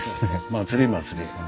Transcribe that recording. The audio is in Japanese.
祭り祭り。